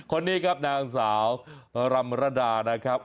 คนนี้ครับนางสาวรำระดานะครับ